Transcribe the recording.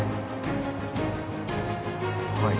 はい。